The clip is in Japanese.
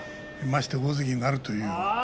まして大関になるという。